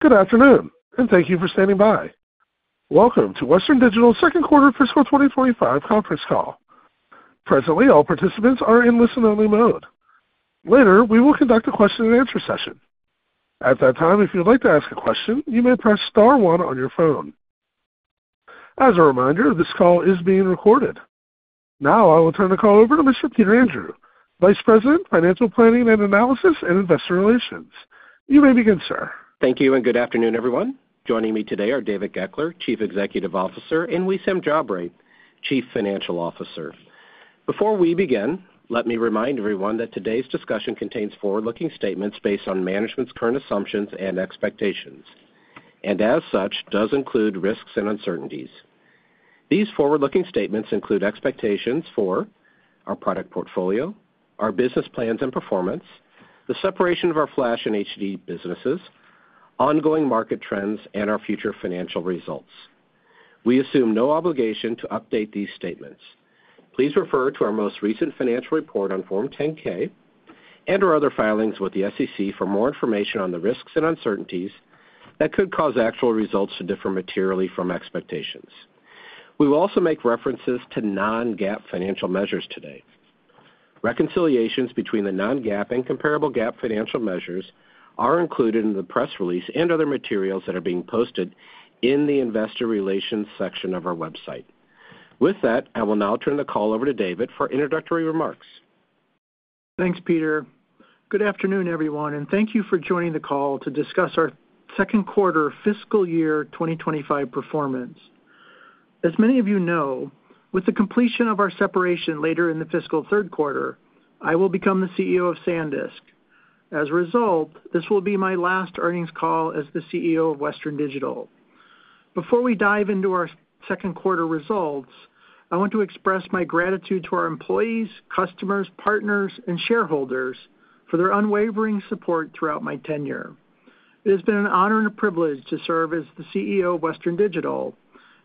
Good afternoon, and thank you for standing by. Welcome to Western Digital's second quarter fiscal 2025 conference call. Presently, all participants are in listen-only mode. Later, we will conduct a question-and-answer session. At that time, if you'd like to ask a question, you may press star one on your phone. As a reminder, this call is being recorded. Now, I will turn the call over to Mr. Peter Andrew, Vice President, Financial Planning and Analysis, and Investor Relations. You may begin, sir. Thank you, and good afternoon, everyone. Joining me today are David Goeckeler, Chief Executive Officer, and Wissam Jabre, Chief Financial Officer. Before we begin, let me remind everyone that today's discussion contains forward-looking statements based on management's current assumptions and expectations, and as such, does include risks and uncertainties. These forward-looking statements include expectations for our product portfolio, our business plans and performance, the separation of our flash and HD businesses, ongoing market trends, and our future financial results. We assume no obligation to update these statements. Please refer to our most recent financial report on Form 10-K and our other filings with the SEC for more information on the risks and uncertainties that could cause actual results to differ materially from expectations. We will also make references to non-GAAP financial measures today. Reconciliations between the non-GAAP and comparable GAAP financial measures are included in the press release and other materials that are being posted in the investor relations section of our website. With that, I will now turn the call over to David for introductory remarks. Thanks, Peter. Good afternoon, everyone, and thank you for joining the call to discuss our second quarter fiscal year 2025 performance. As many of you know, with the completion of our separation later in the fiscal third quarter, I will become the CEO of SanDisk. As a result, this will be my last earnings call as the CEO of Western Digital. Before we dive into our second quarter results, I want to express my gratitude to our employees, customers, partners, and shareholders for their unwavering support throughout my tenure. It has been an honor and a privilege to serve as the CEO of Western Digital,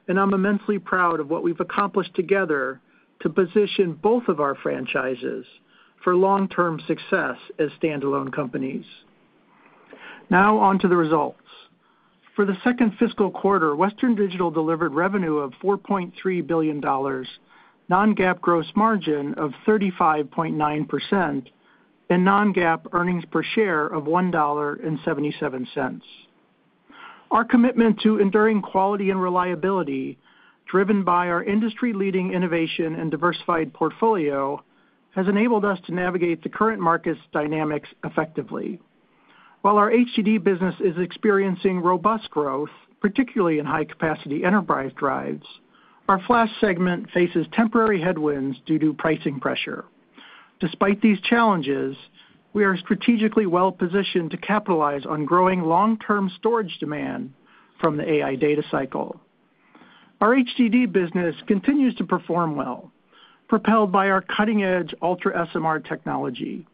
and I'm immensely proud of what we've accomplished together to position both of our franchises for long-term success as standalone companies. Now, on to the results. For the second fiscal quarter, Western Digital delivered revenue of $4.3 billion, non-GAAP gross margin of 35.9%, and non-GAAP earnings per share of $1.77. Our commitment to enduring quality and reliability, driven by our industry-leading innovation and diversified portfolio, has enabled us to navigate the current market's dynamics effectively. While our HD business is experiencing robust growth, particularly in high-capacity enterprise drives, our flash segment faces temporary headwinds due to pricing pressure. Despite these challenges, we are strategically well-positioned to capitalize on growing long-term storage demand from the AI data cycle. Our HD business continues to perform well, propelled by our cutting-edge Ultra-SMR technology.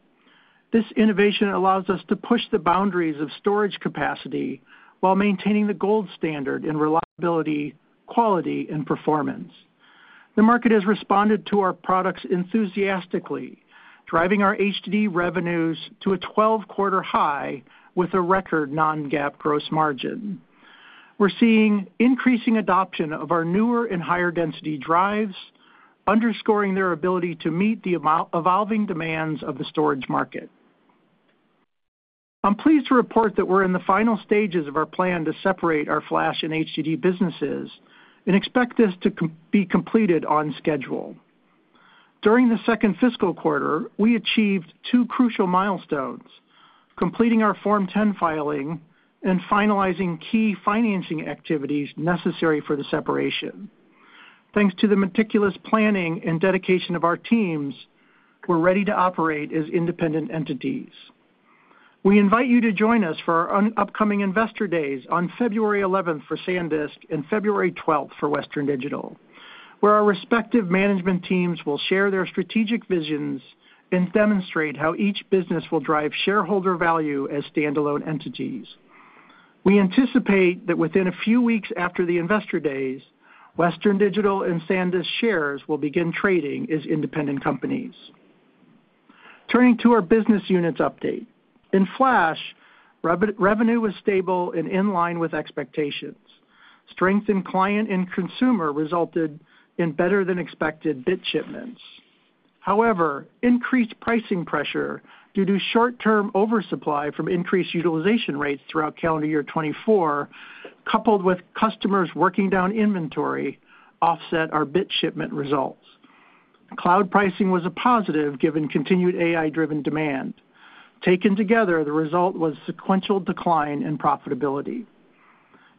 This innovation allows us to push the boundaries of storage capacity while maintaining the gold standard in reliability, quality, and performance. The market has responded to our products enthusiastically, driving our HD revenues to a 12-quarter high with a record non-GAAP gross margin. We're seeing increasing adoption of our newer and higher-density drives, underscoring their ability to meet the evolving demands of the storage market. I'm pleased to report that we're in the final stages of our plan to separate our flash and HDD businesses and expect this to be completed on schedule. During the second fiscal quarter, we achieved two crucial milestones: completing our Form 10 filing and finalizing key financing activities necessary for the separation. Thanks to the meticulous planning and dedication of our teams, we're ready to operate as independent entities. We invite you to join us for our upcoming investor days on February 11 for SanDisk and February 12 for Western Digital, where our respective management teams will share their strategic visions and demonstrate how each business will drive shareholder value as standalone entities. We anticipate that within a few weeks after the Investor Days, Western Digital and SanDisk shares will begin trading as independent companies. Turning to our business units update, in flash, revenue was stable and in line with expectations. Strength in client and consumer resulted in better-than-expected bid shipments. However, increased pricing pressure due to short-term oversupply from increased utilization rates throughout calendar year 2024, coupled with customers working down inventory, offset our bid shipment results. Cloud pricing was a positive given continued AI-driven demand. Taken together, the result was sequential decline in profitability.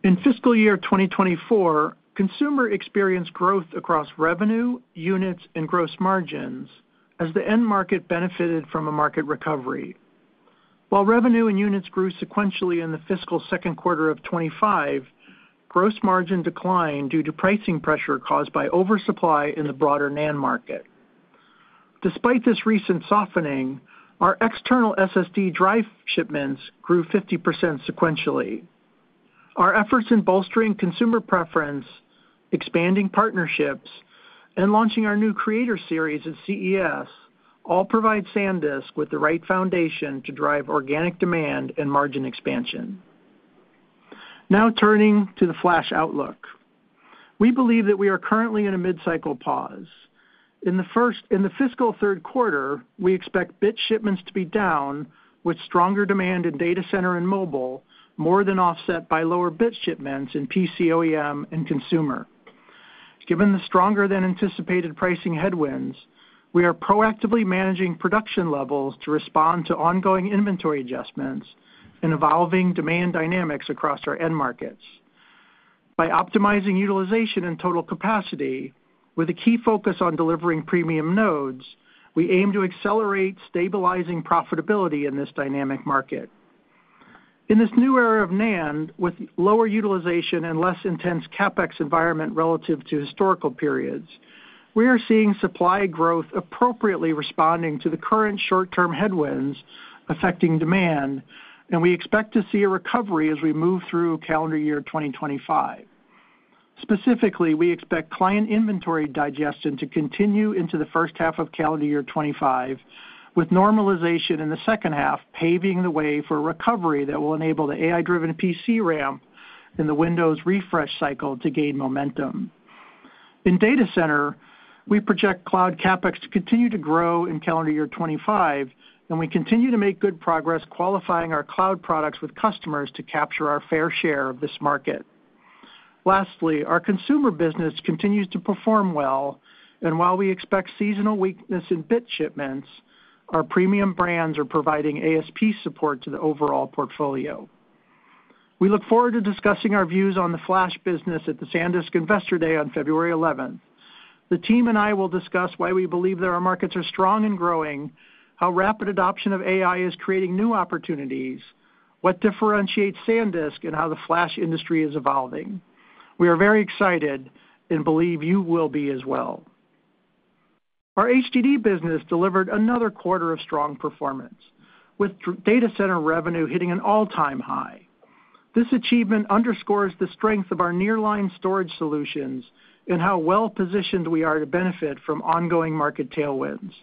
In fiscal year 2024, consumer experienced growth across revenue, units, and gross margins as the end market benefited from a market recovery. While revenue and units grew sequentially in the fiscal second quarter of 2025, gross margin declined due to pricing pressure caused by oversupply in the broader NAND market. Despite this recent softening, our external SSD drive shipments grew 50% sequentially. Our efforts in bolstering consumer preference, expanding partnerships, and launching our new Creator Series at CES all provide SanDisk with the right foundation to drive organic demand and margin expansion. Now, turning to the flash outlook, we believe that we are currently in a mid-cycle pause. In the fiscal third quarter, we expect bid shipments to be down with stronger demand in data center and mobile, more than offset by lower bid shipments in PC OEM and consumer. Given the stronger-than-anticipated pricing headwinds, we are proactively managing production levels to respond to ongoing inventory adjustments and evolving demand dynamics across our end markets. By optimizing utilization and total capacity, with a key focus on delivering premium nodes, we aim to accelerate stabilizing profitability in this dynamic market. In this new era of NAND, with lower utilization and less intense CapEx environment relative to historical periods, we are seeing supply growth appropriately responding to the current short-term headwinds affecting demand, and we expect to see a recovery as we move through calendar year 2025. Specifically, we expect client inventory digestion to continue into the first half of calendar year 2025, with normalization in the second half paving the way for a recovery that will enable the AI-driven PC RAM in the Windows refresh cycle to gain momentum. In data center, we project cloud CapEx to continue to grow in calendar year 2025, and we continue to make good progress qualifying our cloud products with customers to capture our fair share of this market. Lastly, our consumer business continues to perform well, and while we expect seasonal weakness in bid shipments, our premium brands are providing ASP support to the overall portfolio. We look forward to discussing our views on the flash business at the SanDisk Investor Day on February 11. The team and I will discuss why we believe that our markets are strong and growing, how rapid adoption of AI is creating new opportunities, what differentiates SanDisk, and how the flash industry is evolving. We are very excited and believe you will be as well. Our HDD business delivered another quarter of strong performance, with data center revenue hitting an all-time high. This achievement underscores the strength of our nearline storage solutions and how well-positioned we are to benefit from ongoing market tailwinds.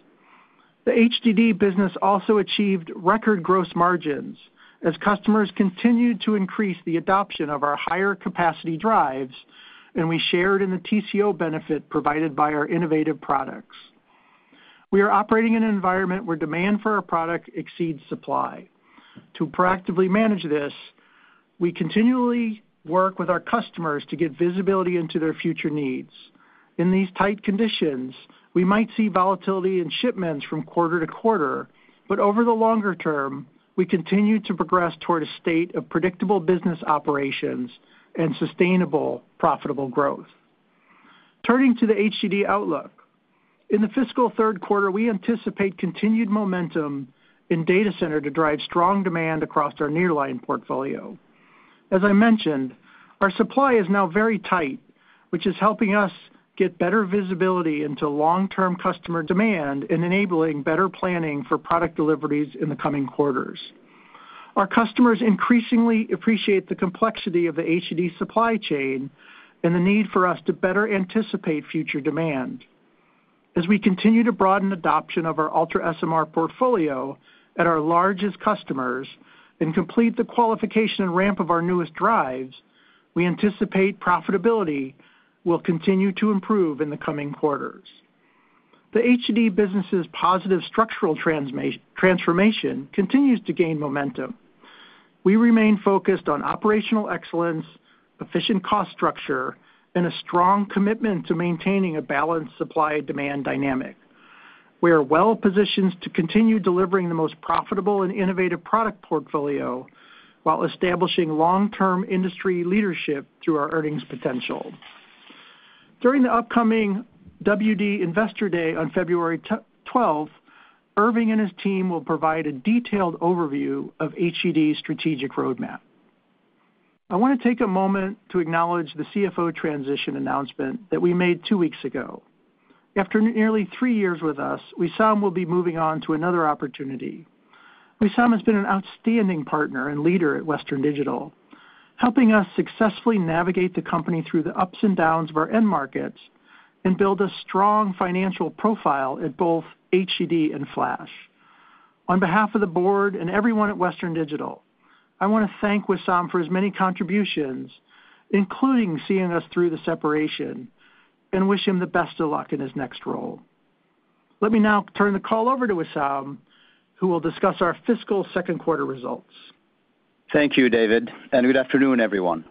The HDD business also achieved record gross margins as customers continued to increase the adoption of our higher-capacity drives, and we shared in the TCO benefit provided by our innovative products. We are operating in an environment where demand for our product exceeds supply. To proactively manage this, we continually work with our customers to get visibility into their future needs. In these tight conditions, we might see volatility in shipments from quarter to quarter, but over the longer term, we continue to progress toward a state of predictable business operations and sustainable, profitable growth. Turning to the HDD outlook, in the fiscal third quarter, we anticipate continued momentum in data center to drive strong demand across our nearline portfolio. As I mentioned, our supply is now very tight, which is helping us get better visibility into long-term customer demand and enabling better planning for product deliveries in the coming quarters. Our customers increasingly appreciate the complexity of the HDD supply chain and the need for us to better anticipate future demand. As we continue to broaden adoption of our Ultra-SMR portfolio at our largest customers and complete the qualification ramp of our newest drives, we anticipate profitability will continue to improve in the coming quarters. The HDD business's positive structural transformation continues to gain momentum. We remain focused on operational excellence, efficient cost structure, and a strong commitment to maintaining a balanced supply-demand dynamic. We are well-positioned to continue delivering the most profitable and innovative product portfolio while establishing long-term industry leadership through our earnings potential. During the upcoming WD Investor Day on February 12, Irving and his team will provide a detailed overview of HDD's strategic roadmap. I want to take a moment to acknowledge the CFO transition announcement that we made two weeks ago. After nearly three years with us, Wissam will be moving on to another opportunity. Wissam has been an outstanding partner and leader at Western Digital, helping us successfully navigate the company through the ups and downs of our end markets and build a strong financial profile at both HDD and flash. On behalf of the board and everyone at Western Digital, I want to thank Wissam for his many contributions, including seeing us through the separation, and wish him the best of luck in his next role. Let me now turn the call over to Wissam, who will discuss our fiscal second quarter results. Thank you, David, and good afternoon, everyone.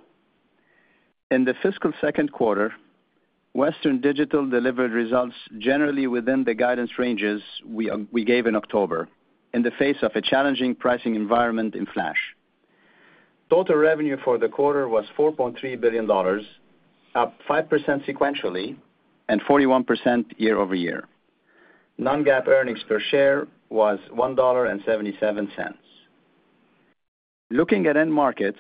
In the fiscal second quarter, Western Digital delivered results generally within the guidance ranges we gave in October in the face of a challenging pricing environment in flash. Total revenue for the quarter was $4.3 billion, up 5% sequentially and 41% year over year. Non-GAAP earnings per share was $1.77. Looking at end markets,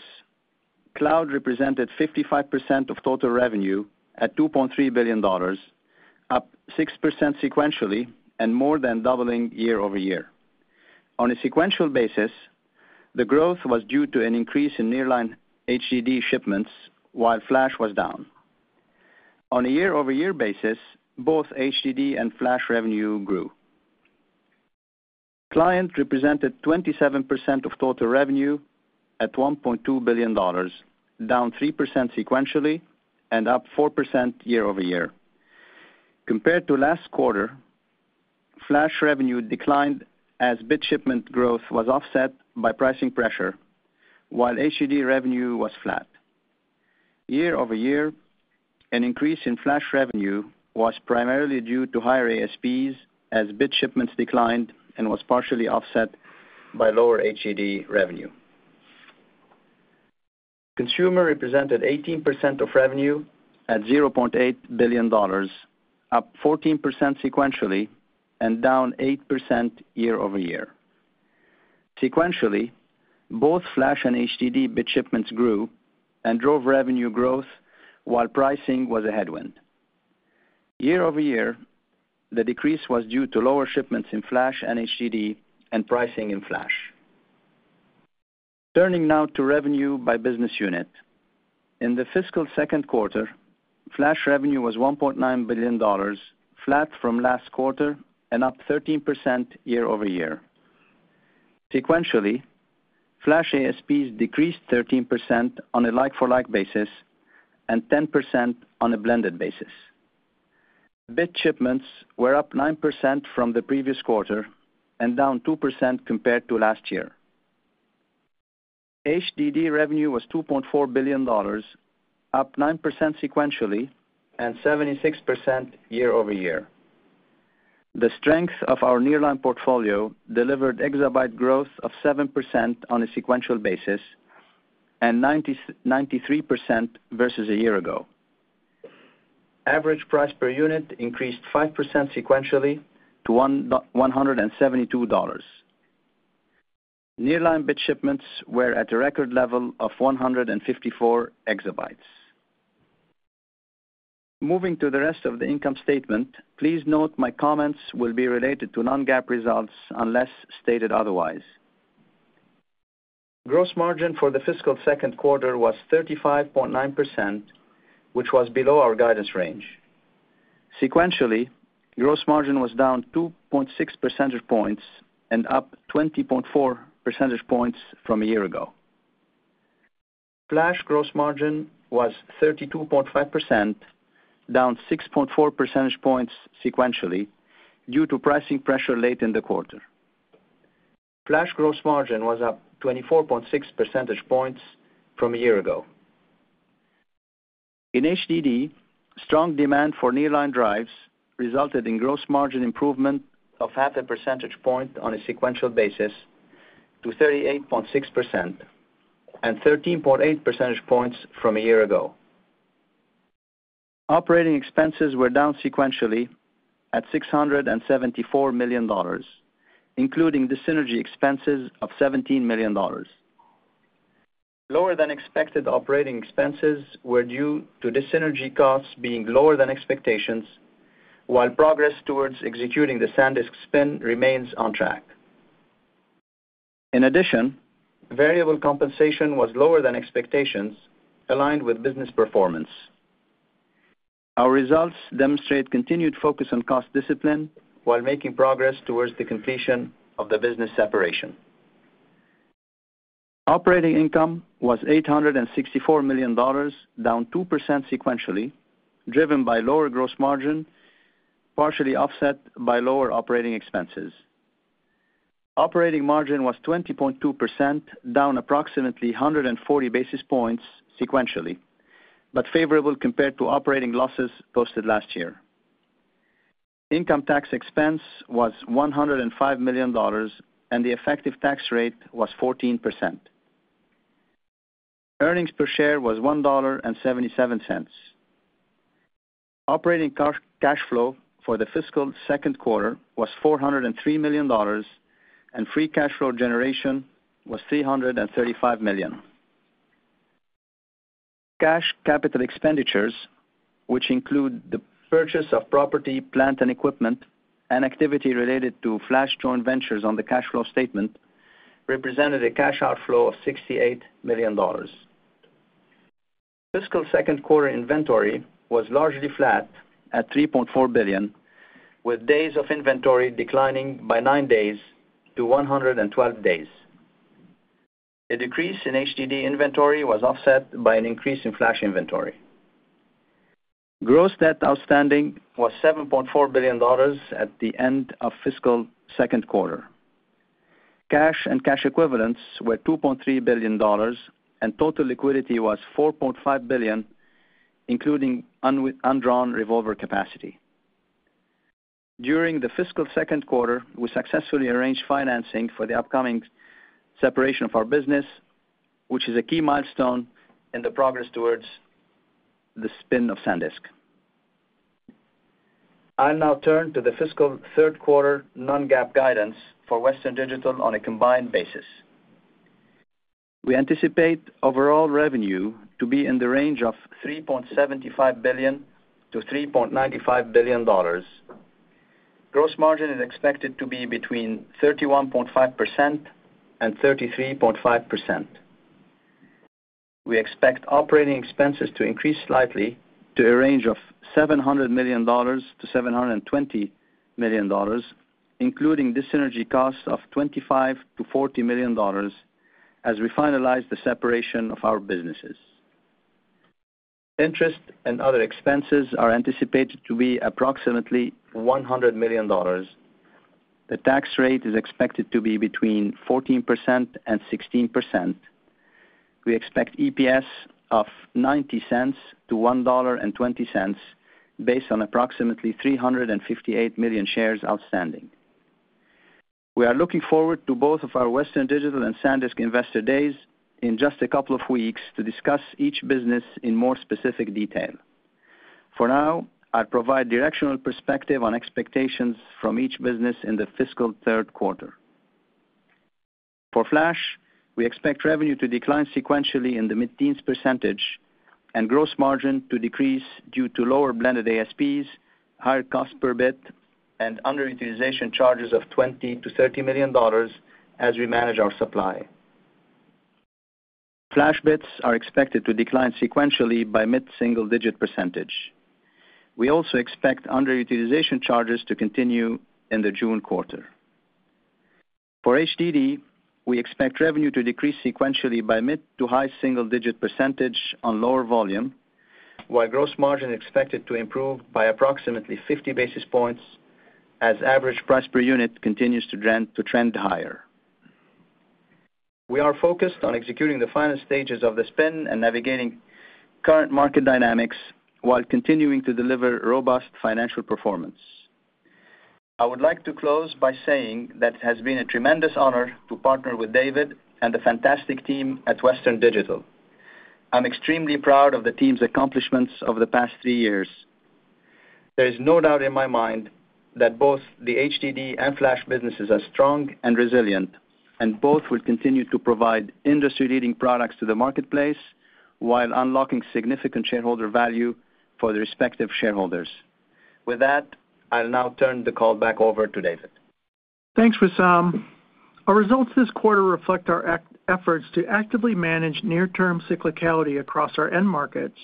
cloud represented 55% of total revenue at $2.3 billion, up 6% sequentially and more than doubling year over year. On a sequential basis, the growth was due to an increase in nearline HDD shipments while flash was down. On a year-over-year basis, both HDD and flash revenue grew. Client represented 27% of total revenue at $1.2 billion, down 3% sequentially and up 4% year over year. Compared to last quarter, flash revenue declined as bid shipment growth was offset by pricing pressure, while HDD revenue was flat. Year over year, an increase in flash revenue was primarily due to higher ASPs as bid shipments declined and was partially offset by lower HDD revenue. Consumer represented 18% of revenue at $0.8 billion, up 14% sequentially and down 8% year over year. Sequentially, both flash and HDD bid shipments grew and drove revenue growth while pricing was a headwind. Year over year, the decrease was due to lower shipments in flash and HDD and pricing in flash. Turning now to revenue by business unit. In the fiscal second quarter, flash revenue was $1.9 billion, flat from last quarter and up 13% year over year. Sequentially, flash ASPs decreased 13% on a like-for-like basis and 10% on a blended basis. Bid shipments were up 9% from the previous quarter and down 2% compared to last year. HDD revenue was $2.4 billion, up 9% sequentially and 76% year over year. The strength of our nearline portfolio delivered exabyte growth of 7% on a sequential basis and 93% versus a year ago. Average price per unit increased 5% sequentially to $172. Nearline bid shipments were at a record level of 154 exabytes. Moving to the rest of the income statement, please note my comments will be related to non-GAAP results unless stated otherwise. Gross margin for the fiscal second quarter was 35.9%, which was below our guidance range. Sequentially, gross margin was down 2.6 percentage points and up 20.4 percentage points from a year ago. Flash gross margin was 32.5%, down 6.4 percentage points sequentially due to pricing pressure late in the quarter. Flash gross margin was up 24.6 percentage points from a year ago. In HDD, strong demand for nearline drives resulted in gross margin improvement of 0.5 percentage point on a sequential basis to 38.6% and 13.8 percentage points from a year ago. Operating expenses were down sequentially at $674 million, including the synergy expenses of $17 million. Lower-than-expected operating expenses were due to the synergy costs being lower than expectations, while progress towards executing the SanDisk spin remains on track. In addition, variable compensation was lower than expectations, aligned with business performance. Our results demonstrate continued focus on cost discipline while making progress towards the completion of the business separation. Operating income was $864 million, down 2% sequentially, driven by lower gross margin, partially offset by lower operating expenses. Operating margin was 20.2%, down approximately 140 basis points sequentially, but favorable compared to operating losses posted last year. Income tax expense was $105 million, and the effective tax rate was 14%. Earnings per share was $1.77. Operating cash flow for the fiscal second quarter was $403 million, and free cash flow generation was $335 million. Cash capital expenditures, which include the purchase of property, plant and equipment, and activity related to flash joint ventures on the cash flow statement, represented a cash outflow of $68 million. Fiscal second quarter inventory was largely flat at $3.4 billion, with days of inventory declining by nine days to 112 days. A decrease in HDD inventory was offset by an increase in flash inventory. Gross debt outstanding was $7.4 billion at the end of fiscal second quarter. Cash and cash equivalents were $2.3 billion, and total liquidity was $4.5 billion, including undrawn revolver capacity. During the fiscal second quarter, we successfully arranged financing for the upcoming separation of our business, which is a key milestone in the progress towards the spin of SanDisk. I'll now turn to the fiscal third quarter non-GAAP guidance for Western Digital on a combined basis. We anticipate overall revenue to be in the range of $3.75 billion-$3.95 billion. Gross margin is expected to be between 31.5%-33.5%. We expect operating expenses to increase slightly to a range of $700 million-$720 million, including the synergy cost of $25-$40 million as we finalize the separation of our businesses. Interest and other expenses are anticipated to be approximately $100 million. The tax rate is expected to be between 14%-16%. We expect EPS of $0.90-$1.20 based on approximately 358 million shares outstanding. We are looking forward to both of our Western Digital and SanDisk Investor Days in just a couple of weeks to discuss each business in more specific detail. For now, I'll provide directional perspective on expectations from each business in the fiscal third quarter. For flash, we expect revenue to decline sequentially in the mid-teens % and gross margin to decrease due to lower blended ASPs, higher cost per bit, and underutilization charges of $20-$30 million as we manage our supply. Flash bits are expected to decline sequentially by mid-single-digit %. We also expect underutilization charges to continue in the June quarter. For HDD, we expect revenue to decrease sequentially by mid- to high-single-digit % on lower volume, while gross margin is expected to improve by approximately 50 basis points as average price per unit continues to trend higher. We are focused on executing the final stages of the spin and navigating current market dynamics while continuing to deliver robust financial performance. I would like to close by saying that it has been a tremendous honor to partner with David and the fantastic team at Western Digital. I'm extremely proud of the team's accomplishments over the past three years. There is no doubt in my mind that both the HDD and flash businesses are strong and resilient, and both will continue to provide industry-leading products to the marketplace while unlocking significant shareholder value for the respective shareholders. With that, I'll now turn the call back over to David. Thanks, Wissam. Our results this quarter reflect our efforts to actively manage near-term cyclicality across our end markets,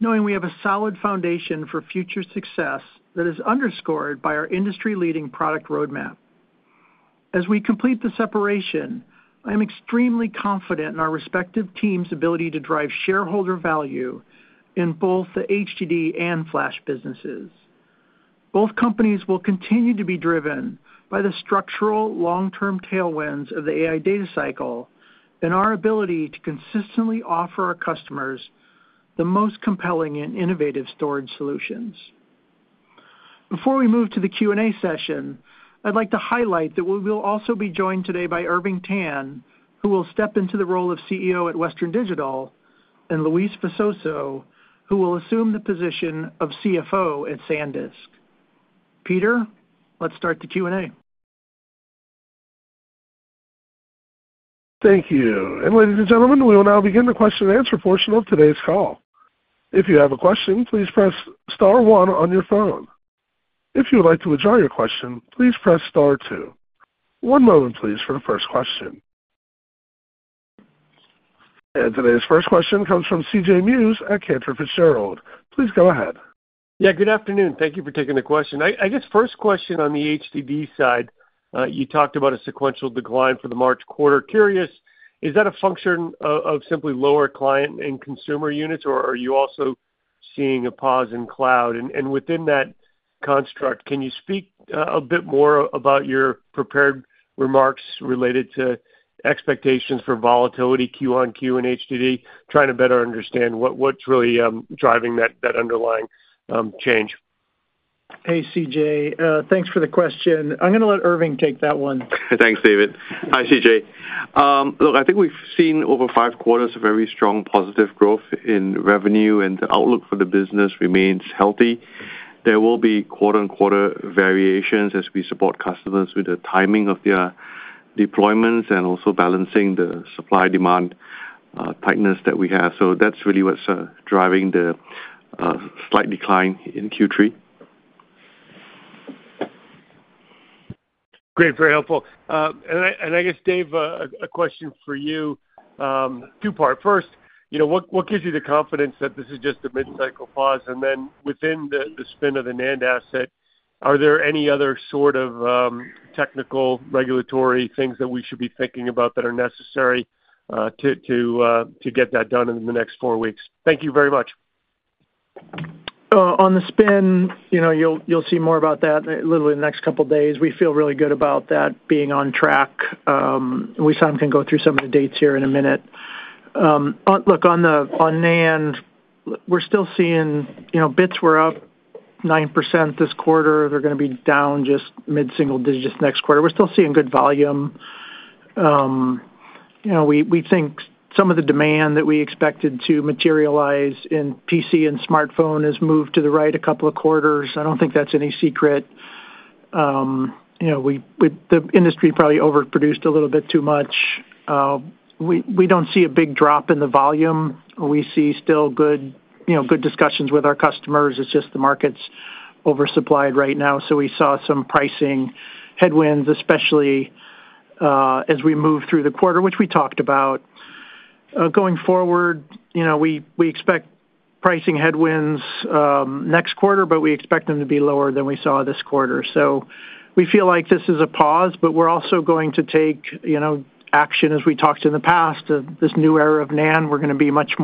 knowing we have a solid foundation for future success that is underscored by our industry-leading product roadmap. As we complete the separation, I am extremely confident in our respective teams' ability to drive shareholder value in both the HDD and flash businesses. Both companies will continue to be driven by the structural long-term tailwinds of the AI data cycle and our ability to consistently offer our customers the most compelling and innovative storage solutions. Before we move to the Q&A session, I'd like to highlight that we will also be joined today by Irving Tan, who will step into the role of CEO at Western Digital, and Luis Visoso, who will assume the position of CFO at SanDisk. Peter, let's start the Q&A. Thank you. And ladies and gentlemen, we will now begin the question-and-answer portion of today's call. If you have a question, please press star one on your phone. If you would like to withdraw your question, please press star two. One moment, please, for the first question. And today's first question comes from CJ Muse at Cantor Fitzgerald. Please go ahead. Yeah, good afternoon. Thank you for taking the question. I guess first question on the HDD side, you talked about a sequential decline for the March quarter. Curious, is that a function of simply lower client and consumer units, or are you also seeing a pause in cloud? And within that construct, can you speak a bit more about your prepared remarks related to expectations for volatility, Q1, Q2, and HDD, trying to better understand what's really driving that underlying change? Hey, CJ. Thanks for the question. I'm going to let Irving take that one. Thanks, David. Hi, CJ. Look, I think we've seen over five quarters of very strong positive growth in revenue, and the outlook for the business remains healthy. There will be quarter-on-quarter variations as we support customers with the timing of their deployments and also balancing the supply-demand tightness that we have. So that's really what's driving the slight decline in Q3. Great. Very helpful. And I guess, Dave, a question for you. Two-part. First, what gives you the confidence that this is just a mid-cycle pause? And then within the spin of the NAND asset, are there any other sort of technical regulatory things that we should be thinking about that are necessary to get that done in the next four weeks? Thank you very much. On the spin, you'll see more about that literally in the next couple of days. We feel really good about that being on track. Wissam can go through some of the dates here in a minute. Look, on NAND, we're still seeing bits were up 9% this quarter. They're going to be down just mid-single digits next quarter. We're still seeing good volume. We think some of the demand that we expected to materialize in PC and smartphone has moved to the right a couple of quarters. I don't think that's any secret. The industry probably overproduced a little bit too much. We don't see a big drop in the volume. We see still good discussions with our customers. It's just the market's oversupplied right now. So we saw some pricing headwinds, especially as we move through the quarter, which we talked about. Going forward, we expect pricing headwinds next quarter, but we expect them to be lower than we saw this quarter. So we feel like this is a pause, but we're also going to take action as we talked in the past. This new era of NAND, we're going to be much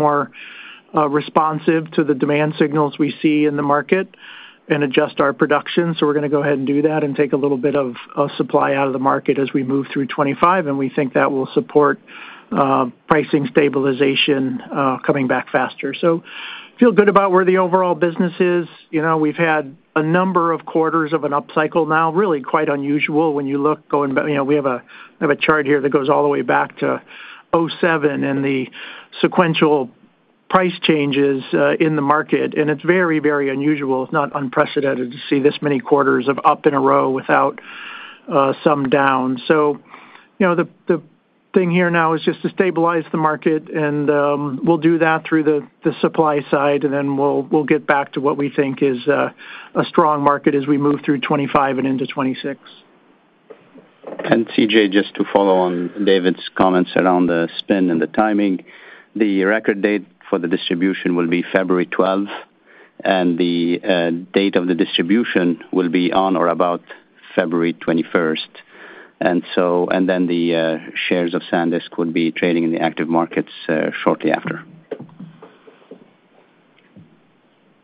more responsive to the demand signals we see in the market and adjust our production. So we're going to go ahead and do that and take a little bit of supply out of the market as we move through 2025. And we think that will support pricing stabilization coming back faster. So feel good about where the overall business is. We've had a number of quarters of an upcycle now, really quite unusual when you look going back. We have a chart here that goes all the way back to 2007 and the sequential price changes in the market. It's very, very unusual. It's not unprecedented to see this many quarters of up in a row without some down. The thing here now is just to stabilize the market, and we'll do that through the supply side, and then we'll get back to what we think is a strong market as we move through 2025 and into 2026. CJ, just to follow on David's comments around the spin and the timing, the record date for the distribution will be February 12th, and the date of the distribution will be on or about February 21st. Then the shares of SanDisk would be trading in the active markets shortly after.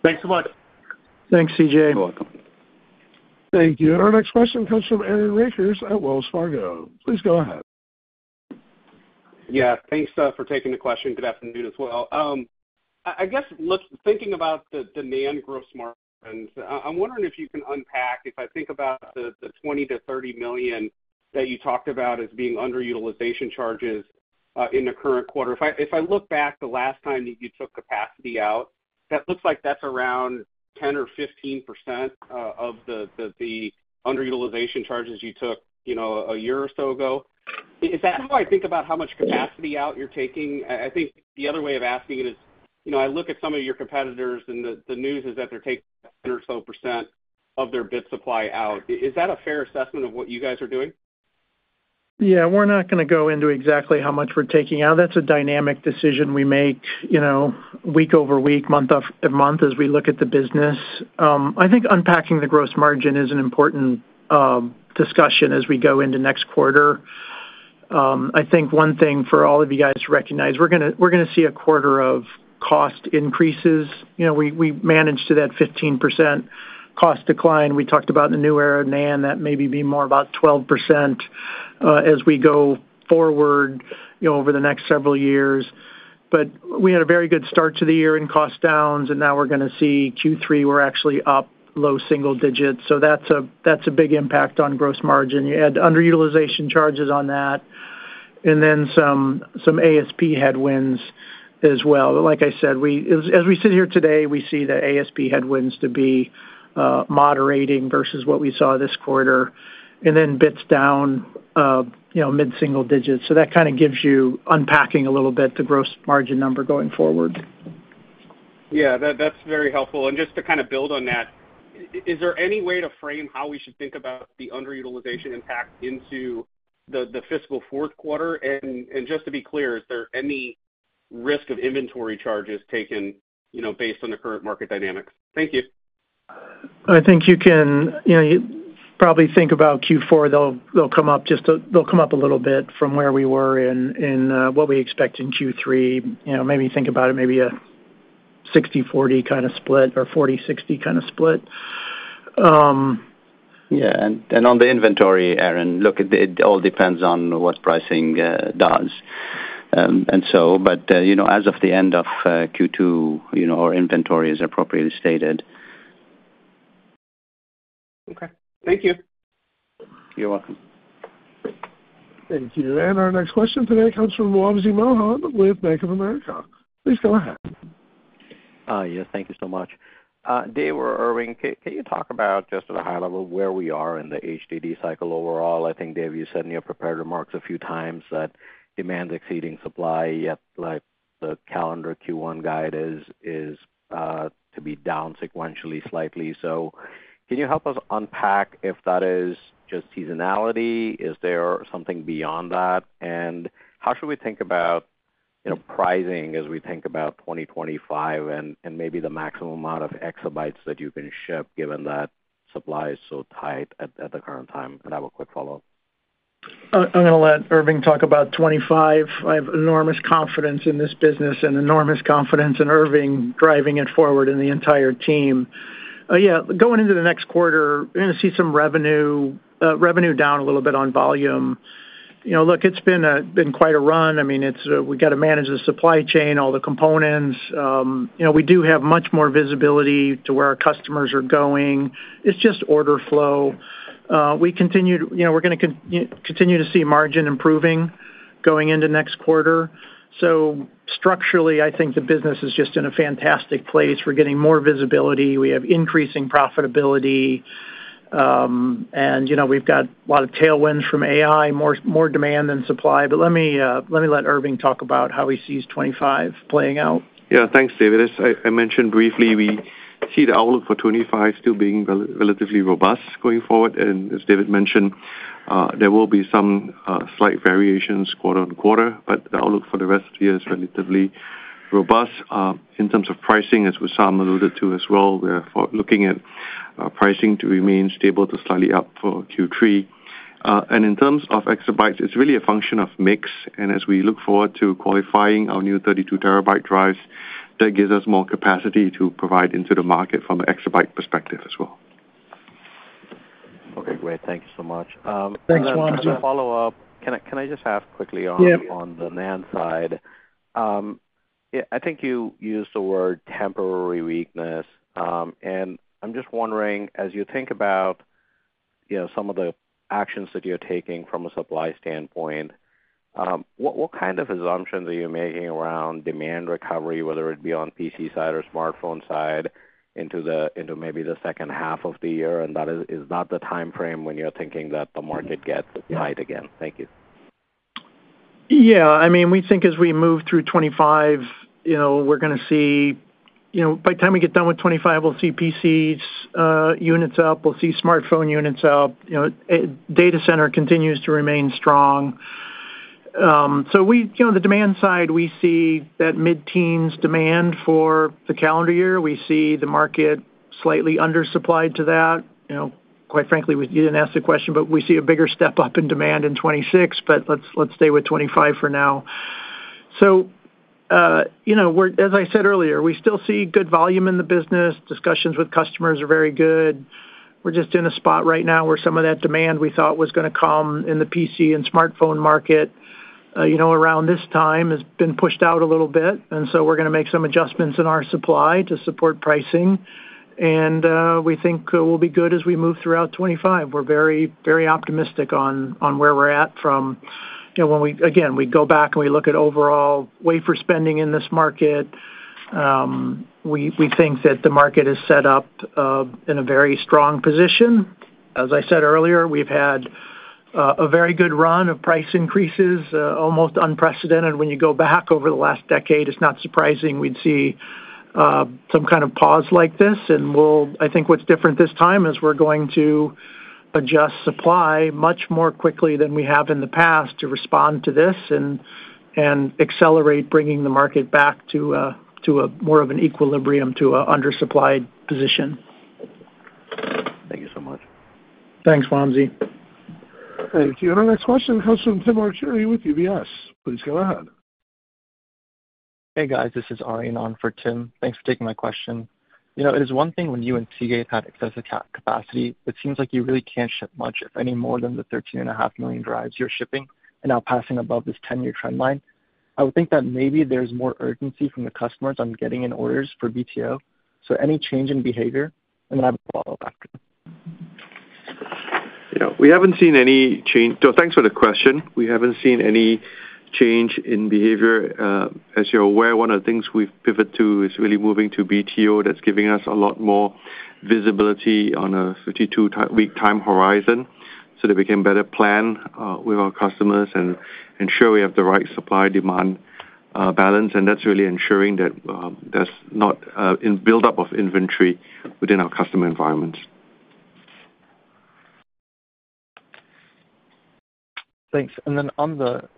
Thanks so much. Thanks, CJ. You're welcome. Thank you. Our next question comes from Aaron Rakers at Wells Fargo. Please go ahead. Yeah. Thanks for taking the question. Good afternoon as well. I guess thinking about the demand growth margins, I'm wondering if you can unpack if I think about the $20 million-$30 million that you talked about as being underutilization charges in the current quarter. If I look back the last time that you took capacity out, that looks like that's around 10% or 15% of the underutilization charges you took a year or so ago. Is that how I think about how much capacity out you're taking? I think the other way of asking it is I look at some of your competitors, and the news is that they're taking 10% or so of their bid supply out. Is that a fair assessment of what you guys are doing? Yeah. We're not going to go into exactly how much we're taking out. That's a dynamic decision we make week over week, month over month as we look at the business. I think unpacking the gross margin is an important discussion as we go into next quarter. I think one thing for all of you guys to recognize, we're going to see a quarter of cost increases. We managed to that 15% cost decline. We talked about in the new era of NAND that maybe be more about 12% as we go forward over the next several years. But we had a very good start to the year in cost downs, and now we're going to see Q3, we're actually up low single digits. So that's a big impact on gross margin. You had underutilization charges on that, and then some ASP headwinds as well. Like I said, as we sit here today, we see the ASP headwinds to be moderating versus what we saw this quarter, and then bits down mid-single digits, so that kind of gives you unpacking a little bit the gross margin number going forward. Yeah. That's very helpful. And just to kind of build on that, is there any way to frame how we should think about the underutilization impact into the fiscal fourth quarter? And just to be clear, is there any risk of inventory charges taken based on the current market dynamics? Thank you. I think you can probably think about Q4. They'll come up just a little bit from where we were and what we expect in Q3. Maybe think about it maybe a 60/40 kind of split or 40/60 kind of split. Yeah. And on the inventory, Aaron, look, it all depends on what pricing does. And so, but as of the end of Q2, our inventory is appropriately stated. Okay. Thank you. You're welcome. Thank you. And our next question today comes from Wamsi Mohan with Bank of America. Please go ahead. Yes. Thank you so much. David or Irving, can you talk about just at a high level where we are in the HDD cycle overall? I think, David, you said in your prepared remarks a few times that demand's exceeding supply, yet the calendar Q1 guide is to be down sequentially slightly. So can you help us unpack if that is just seasonality? Is there something beyond that? And how should we think about pricing as we think about 2025 and maybe the maximum amount of exabytes that you can ship, given that supply is so tight at the current time? And I have a quick follow-up. I'm going to let Irving talk about 2025. I have enormous confidence in this business and enormous confidence in Irving driving it forward and the entire team. Yeah. Going into the next quarter, we're going to see some revenue down a little bit on volume. Look, it's been quite a run. I mean, we got to manage the supply chain, all the components. We do have much more visibility to where our customers are going. It's just order flow. We're going to continue to see margin improving going into next quarter. So structurally, I think the business is just in a fantastic place. We're getting more visibility. We have increasing profitability, and we've got a lot of tailwinds from AI, more demand than supply. But let me let Irving talk about how he sees 2025 playing out. Yeah. Thanks, David. As I mentioned briefly, we see the outlook for 2025 still being relatively robust going forward, and as David mentioned, there will be some slight variations quarter on quarter, but the outlook for the rest of the year is relatively robust. In terms of pricing, as Wissam alluded to as well, we're looking at pricing to remain stable to slightly up for Q3, and in terms of exabytes, it's really a function of mix, and as we look forward to qualifying our new 32-terabyte drives, that gives us more capacity to provide into the market from an exabyte perspective as well. Okay. Great. Thank you so much. Thanks, Wamsi. Just a follow-up. Can I just ask quickly on the NAND side? Yeah. I think you used the word temporary weakness, and I'm just wondering, as you think about some of the actions that you're taking from a supply standpoint, what kind of assumptions are you making around demand recovery, whether it be on PC side or smartphone side into maybe the second half of the year, and that is not the time frame when you're thinking that the market gets tight again. Thank you. Yeah. I mean, we think as we move through 2025, we're going to see by the time we get done with 2025, we'll see PC units up. We'll see smartphone units up. Data center continues to remain strong. So the demand side, we see that mid-teens demand for the calendar year. We see the market slightly undersupplied to that. Quite frankly, you didn't ask the question, but we see a bigger step up in demand in 2026, but let's stay with 2025 for now. So as I said earlier, we still see good volume in the business. Discussions with customers are very good. We're just in a spot right now where some of that demand we thought was going to come in the PC and smartphone market around this time has been pushed out a little bit. And so we're going to make some adjustments in our supply to support pricing. And we think it will be good as we move throughout 2025. We're very optimistic on where we're at from when we, again, we go back and we look at overall wafer spending in this market. We think that the market is set up in a very strong position. As I said earlier, we've had a very good run of price increases, almost unprecedented. When you go back over the last decade, it's not surprising we'd see some kind of pause like this. And I think what's different this time is we're going to adjust supply much more quickly than we have in the past to respond to this and accelerate bringing the market back to more of an equilibrium to an undersupplied position. Thank you so much. Thanks, Ramzi. Thank you. Our next question comes from Tim Arcuri. With you, UBS. Please go ahead. Hey, guys. This is Arian on for Tim. Thanks for taking my question. It is one thing when you and Seagate had excessive capacity. It seems like you really can't ship much, if any more than the 13.5 million drives you're shipping and now passing above this 10-year trend line. I would think that maybe there's more urgency from the customers on getting in orders for BTO. So any change in behavior, and then I will follow up after. We haven't seen any change, so thanks for the question. We haven't seen any change in behavior. As you're aware, one of the things we've pivoted to is really moving to BTO. That's giving us a lot more visibility on a 52-week time horizon so that we can better plan with our customers and ensure we have the right supply-demand balance. And that's really ensuring that there's not a buildup of inventory within our customer environments. Thanks. And then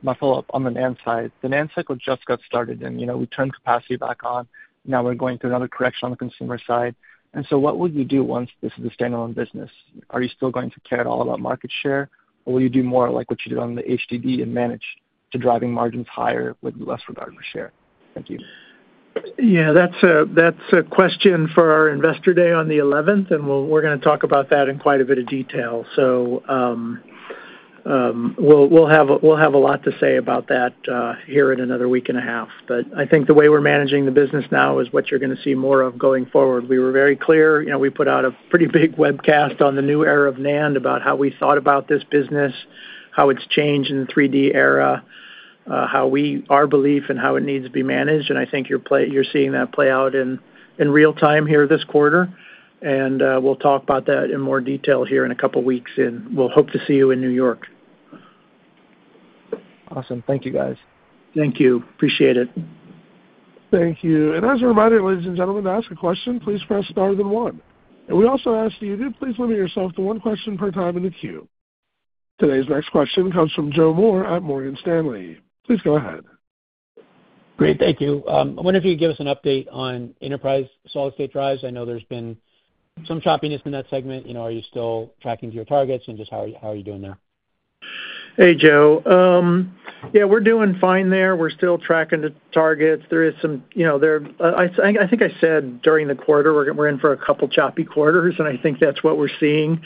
my follow-up on the NAND side. The NAND cycle just got started, and we turned capacity back on. Now we're going through another correction on the consumer side. And so what will you do once this is a standalone business? Are you still going to care at all about market share, or will you do more like what you did on the HDD and manage to driving margins higher with less regard for share? Thank you. Yeah. That's a question for our investor day on the 11th, and we're going to talk about that in quite a bit of detail. So we'll have a lot to say about that here in another week and a half. But I think the way we're managing the business now is what you're going to see more of going forward. We were very clear. We put out a pretty big webcast on the new era of NAND about how we thought about this business, how it's changed in the 3D era, our belief, and how it needs to be managed. And I think you're seeing that play out in real time here this quarter. And we'll talk about that in more detail here in a couple of weeks. And we'll hope to see you in New York. Awesome. Thank you, guys. Thank you. Appreciate it. Thank you. And as a reminder, ladies and gentlemen, to ask a question, please press star, then one. And we also ask that you do please limit yourself to one question per time in the queue. Today's next question comes from Joe Moore at Morgan Stanley. Please go ahead. Great. Thank you. I wonder if you could give us an update on enterprise solid-state drives. I know there's been some choppiness in that segment. Are you still tracking to your targets, and just how are you doing there? Hey, Joe. Yeah. We're doing fine there. We're still tracking to targets. There is some, I think I said during the quarter, we're in for a couple of choppy quarters, and I think that's what we're seeing.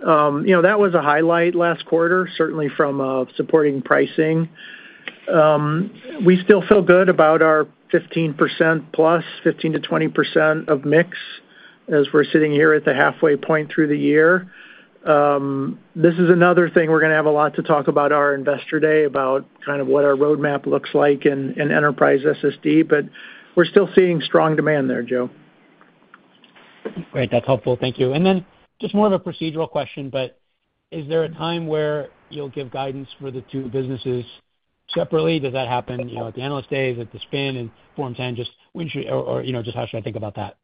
That was a highlight last quarter, certainly from supporting pricing. We still feel good about our 15% plus, 15%-20% of mix as we're sitting here at the halfway point through the year. This is another thing we're going to have a lot to talk about our investor day about kind of what our roadmap looks like in enterprise SSD, but we're still seeing strong demand there, Joe. Great. That's helpful. Thank you. And then just more of a procedural question, but is there a time where you'll give guidance for the two businesses separately? Does that happen at the analyst days, at the spin and Form 10, or just how should I think about that?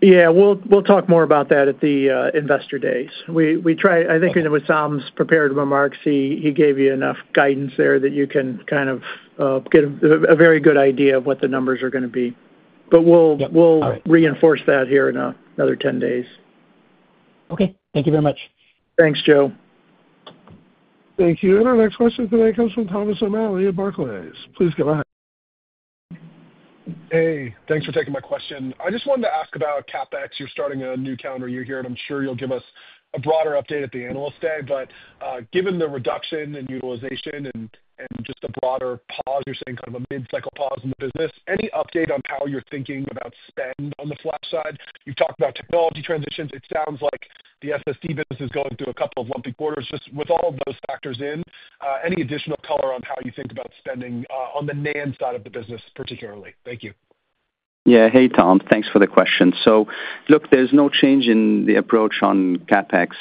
Yeah. We'll talk more about that at the investor days. I think in Wissam's prepared remarks, he gave you enough guidance there that you can kind of get a very good idea of what the numbers are going to be. But we'll reinforce that here in another 10 days. Okay. Thank you very much. Thanks, Joe. Thank you. Our next question today comes from Thomas O'Malley at Barclays. Please go ahead. Hey. Thanks for taking my question. I just wanted to ask about CapEx. You're starting a new calendar year here, and I'm sure you'll give us a broader update at the analyst day. But given the reduction in utilization and just the broader pause, you're saying kind of a mid-cycle pause in the business, any update on how you're thinking about spend on the flash side? You've talked about technology transitions. It sounds like the SSD business is going through a couple of lumpy quarters. Just with all of those factors in, any additional color on how you think about spending on the NAND side of the business particularly? Thank you. Yeah. Hey, Tom. Thanks for the question. So look, there's no change in the approach on CapEx.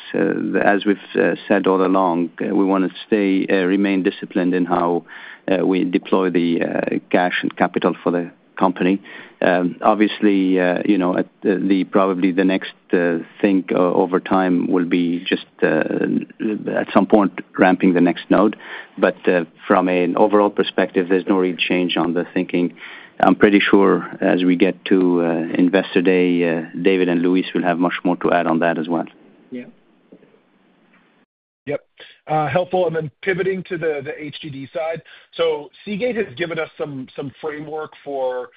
As we've said all along, we want to remain disciplined in how we deploy the cash and capital for the company. Obviously, probably the next thing over time will be just at some point ramping the next node. But from an overall perspective, there's no real change on the thinking. I'm pretty sure as we get to investor day, David and Luis will have much more to add on that as well. Yeah. Yep. Helpful, and then pivoting to the HDD side, so CGate has given us some framework for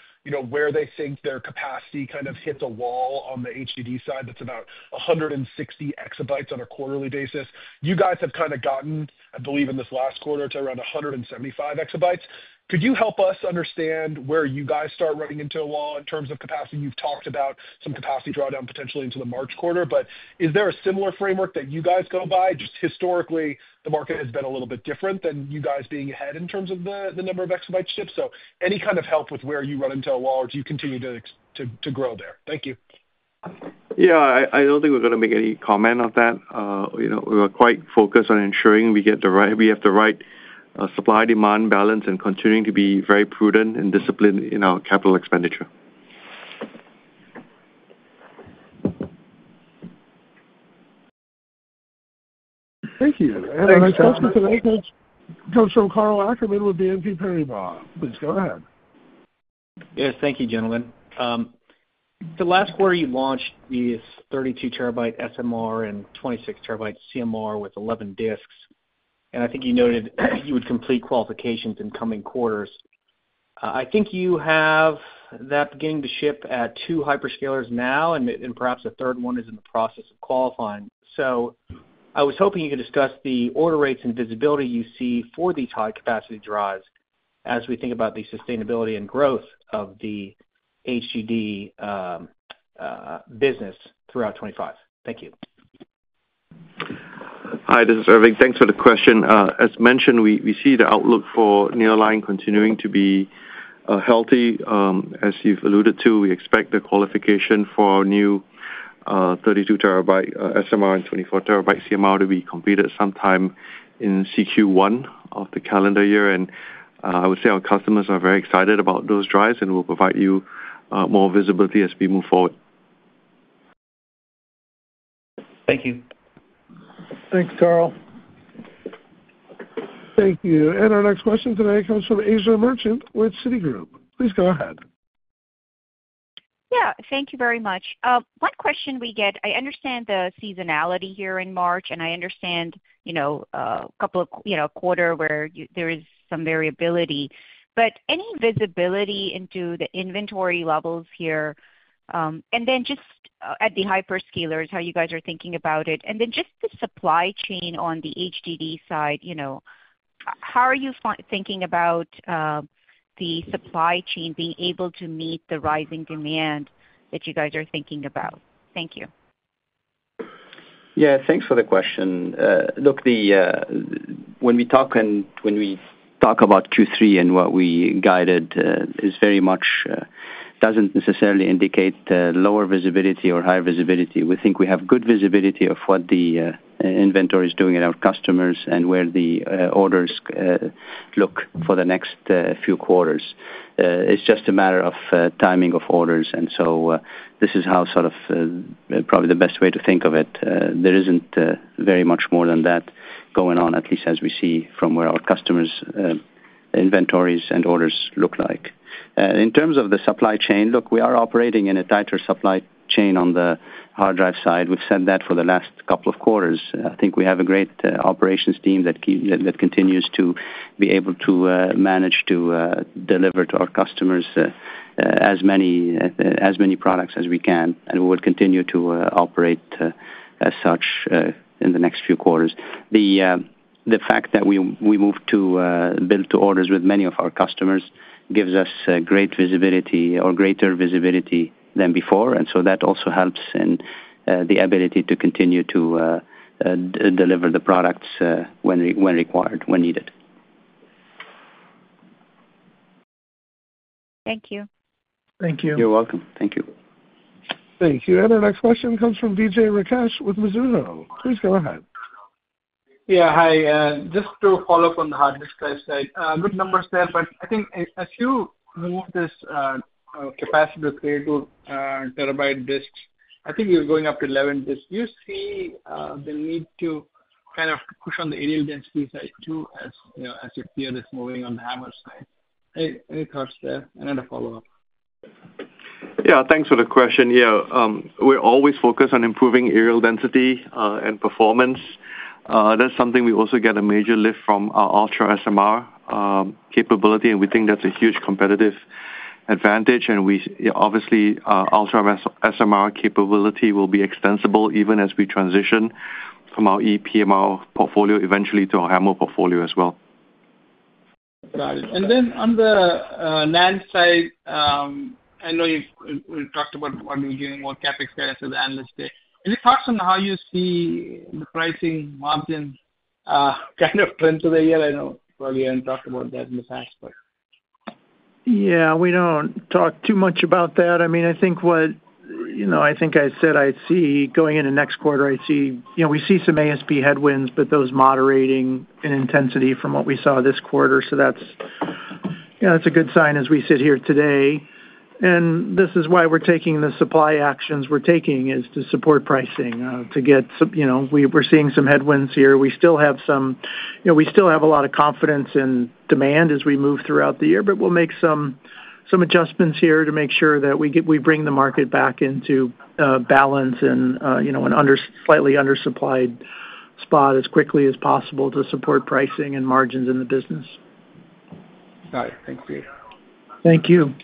where they think their capacity kind of hits a wall on the HDD side. That's about 160 exabytes on a quarterly basis. You guys have kind of gotten, I believe in this last quarter, to around 175 exabytes. Could you help us understand where you guys start running into a wall in terms of capacity? You've talked about some capacity drawdown potentially into the March quarter, but is there a similar framework that you guys go by? Just historically, the market has been a little bit different than you guys being ahead in terms of the number of exabytes shipped, so any kind of help with where you run into a wall, or do you continue to grow there? Thank you. Yeah. I don't think we're going to make any comment on that. We're quite focused on ensuring we have the right supply-demand balance and continuing to be very prudent and disciplined in our capital expenditure. Thank you. And our next question today comes from Karl Ackerman with BNP Paribas. Please go ahead. Yes. Thank you, gentlemen. The last quarter you launched the 32-terabyte SMR and 26-terabyte CMR with 11 disks, and I think you noted you would complete qualifications in coming quarters. I think you have that beginning to ship at two hyperscalers now, and perhaps a third one is in the process of qualifying, so I was hoping you could discuss the order rates and visibility you see for these high-capacity drives as we think about the sustainability and growth of the HDD business throughout 2025. Thank you. Hi. This is Irving. Thanks for the question. As mentioned, we see the outlook for nearline continuing to be healthy. As you've alluded to, we expect the qualification for our new 32-terabyte SMR and 24-terabyte CMR to be completed sometime in CQ1 of the calendar year. I would say our customers are very excited about those drives, and we'll provide you more visibility as we move forward. Thank you. Thanks, Karl. Thank you. And our next question today comes from Asiya Merchant with Citigroup. Please go ahead. Yeah. Thank you very much. One question we get, I understand the seasonality here in March, and I understand a couple of quarters where there is some variability. But any visibility into the inventory levels here? And then just at the hyperscalers, how you guys are thinking about it? And then just the supply chain on the HDD side, how are you thinking about the supply chain being able to meet the rising demand that you guys are thinking about? Thank you. Yeah. Thanks for the question. Look, when we talk about Q3 and what we guided, it very much doesn't necessarily indicate lower visibility or higher visibility. We think we have good visibility of what the inventory is doing at our customers and where the orders look for the next few quarters. It's just a matter of timing of orders, and so this is how sort of probably the best way to think of it. There isn't very much more than that going on, at least as we see from where our customers' inventories and orders look like. In terms of the supply chain, look, we are operating in a tighter supply chain on the hard drive side. We've said that for the last couple of quarters. I think we have a great operations team that continues to be able to manage to deliver to our customers as many products as we can, and we will continue to operate as such in the next few quarters. The fact that we moved to build-to-orders with many of our customers gives us greater visibility than before, and so that also helps in the ability to continue to deliver the products when required, when needed. Thank you. Thank you. You're welcome. Thank you. Thank you. And our next question comes from Vijay Rakesh with Mizuho. Please go ahead. Yeah. Hi. Just to follow up on the hard disk drive side. Good numbers there, but I think as you move this capacity to 32 terabyte disks, I think you're going up to 11 disks. Do you see the need to kind of push on the areal density side too as your tier is moving on the HAMR side? Any thoughts there? And then a follow-up. Yeah. Thanks for the question. Yeah. We're always focused on improving areal density and performance. That's something we also get a major lift from our Ultra-SMR capability, and we think that's a huge competitive advantage, and obviously, Ultra-SMR capability will be extensible even as we transition from our ePMR portfolio eventually to our HAMR portfolio as well. Got it. And then on the NAND side, I know you talked about what you're doing more CapEx guidance with analyst day. Any thoughts on how you see the pricing margin kind of trend through the year? I know probably you haven't talked about that in the past, but. Yeah. We don't talk too much about that. I mean, I think what I said I see going into next quarter, we see some ASP headwinds, but those moderating in intensity from what we saw this quarter. So that's a good sign as we sit here today. And this is why we're taking the supply actions we're taking is to support pricing to get we're seeing some headwinds here. We still have a lot of confidence in demand as we move throughout the year, but we'll make some adjustments here to make sure that we bring the market back into balance and a slightly undersupplied spot as quickly as possible to support pricing and margins in the business. Got it. Thank you. Thank you.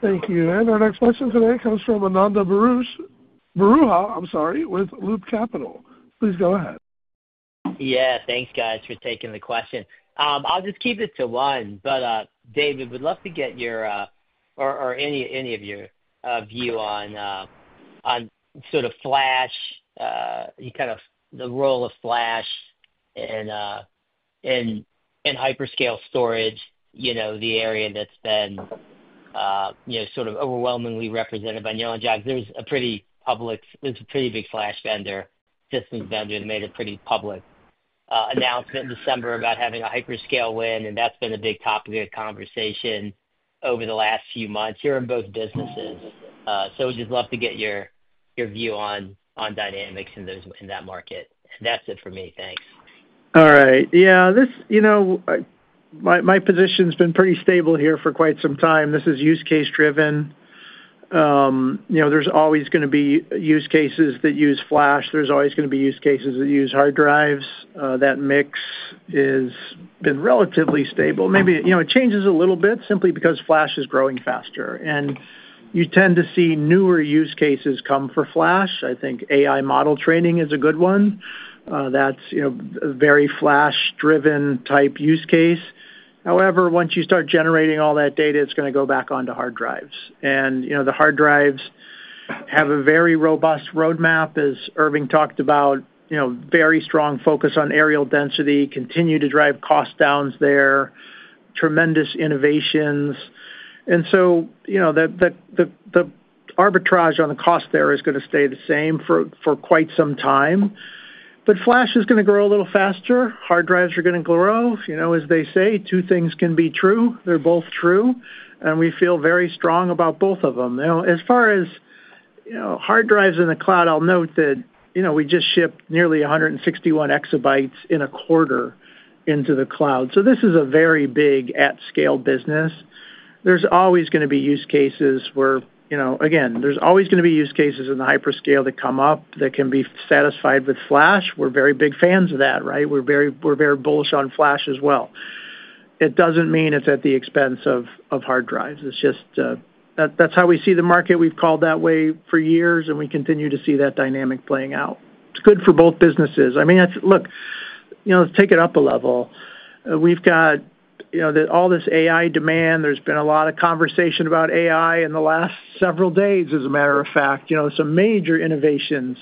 Thank you. And our next question today comes from Ananda Baruah. I'm sorry, with Loop Capital. Please go ahead. Yeah. Thanks, guys, for taking the question. I'll just keep it to one. But David, we'd love to get your or any of your view on sort of flash, kind of the role of flash in hyperscale storage, the area that's been sort of overwhelmingly represented by Neil and Jack. There's a pretty big flash vendor, systems vendor, that made a pretty public announcement in December about having a hyperscale win. And that's been a big topic of conversation over the last few months here in both businesses. So we'd just love to get your view on dynamics in that market. And that's it for me. Thanks. All right. Yeah. My position has been pretty stable here for quite some time. This is use case driven. There's always going to be use cases that use flash. There's always going to be use cases that use hard drives. That mix has been relatively stable. Maybe it changes a little bit simply because flash is growing faster. And you tend to see newer use cases come for flash. I think AI model training is a good one. That's a very flash-driven type use case. However, once you start generating all that data, it's going to go back onto hard drives. And the hard drives have a very robust roadmap, as Irving talked about, very strong focus on areal density, continue to drive cost downs there, tremendous innovations. And so the arbitrage on the cost there is going to stay the same for quite some time. Flash is going to grow a little faster. Hard drives are going to grow. As they say, two things can be true. They're both true. And we feel very strong about both of them. As far as hard drives in the cloud, I'll note that we just shipped nearly 161 exabytes in a quarter into the cloud. So this is a very big at-scale business. There's always going to be use cases where, again, there's always going to be use cases in the hyperscale that come up that can be satisfied with flash. We're very big fans of that, right? We're very bullish on flash as well. It doesn't mean it's at the expense of hard drives. That's how we see the market. We've called that way for years, and we continue to see that dynamic playing out. It's good for both businesses. I mean, look, let's take it up a level. We've got all this AI demand. There's been a lot of conversation about AI in the last several days, as a matter of fact. Some major innovations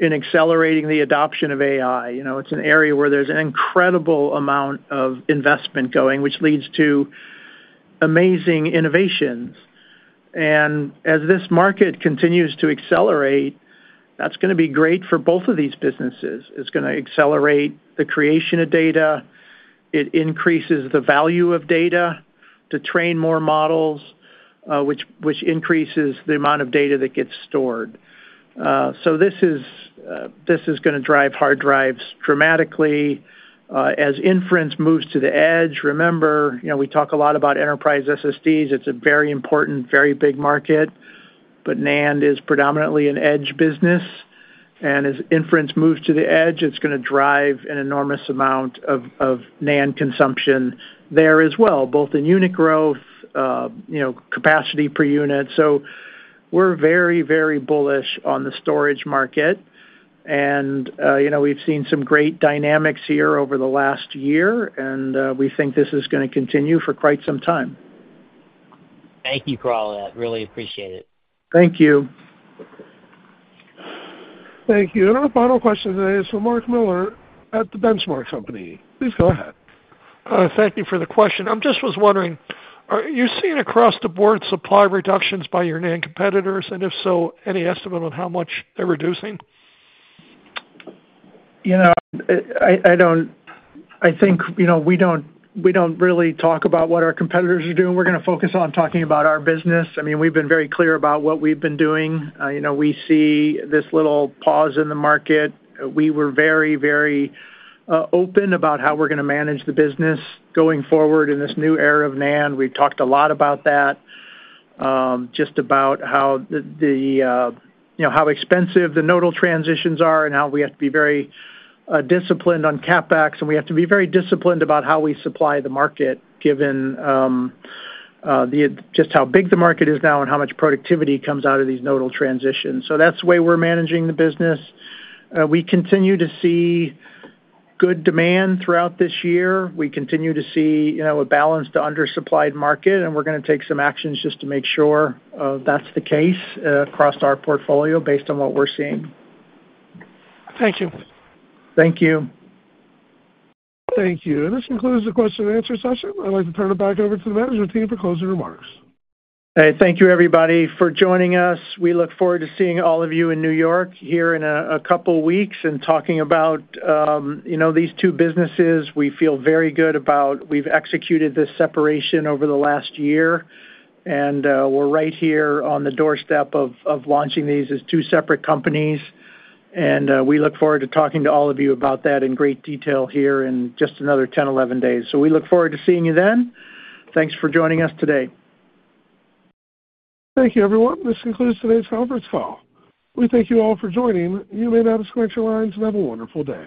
in accelerating the adoption of AI. It's an area where there's an incredible amount of investment going, which leads to amazing innovations and as this market continues to accelerate, that's going to be great for both of these businesses. It's going to accelerate the creation of data. It increases the value of data to train more models, which increases the amount of data that gets stored, so this is going to drive hard drives dramatically as inference moves to the edge. Remember, we talk a lot about enterprise SSDs. It's a very important, very big market, but NAND is predominantly an edge business. And as inference moves to the edge, it's going to drive an enormous amount of NAND consumption there as well, both in unit growth, capacity per unit. So we're very, very bullish on the storage market. And we've seen some great dynamics here over the last year, and we think this is going to continue for quite some time. Thank you for all of that. Really appreciate it. Thank you. Thank you. And our final question today is from Mark Miller at The Benchmark Company. Please go ahead. Thank you for the question. I just was wondering, are you seeing across-the-board supply reductions by your NAND competitors? And if so, any estimate on how much they're reducing? I think we don't really talk about what our competitors are doing. We're going to focus on talking about our business. I mean, we've been very clear about what we've been doing. We see this little pause in the market. We were very, very open about how we're going to manage the business going forward in this new era of NAND. We've talked a lot about that, just about how expensive the nodal transitions are and how we have to be very disciplined on CapEx. And we have to be very disciplined about how we supply the market given just how big the market is now and how much productivity comes out of these nodal transitions. So that's the way we're managing the business. We continue to see good demand throughout this year. We continue to see a balanced undersupplied market. We're going to take some actions just to make sure that's the case across our portfolio based on what we're seeing. Thank you. Thank you. Thank you. And this concludes the question and answer session. I'd like to turn it back over to the management team for closing remarks. Thank you, everybody, for joining us. We look forward to seeing all of you in New York here in a couple of weeks and talking about these two businesses. We feel very good about we've executed this separation over the last year. And we're right here on the doorstep of launching these as two separate companies. And we look forward to talking to all of you about that in great detail here in just another 10, 11 days. So we look forward to seeing you then. Thanks for joining us today. Thank you, everyone. This concludes today's conference call. We thank you all for joining. You may now disconnect your lines and have a wonderful day.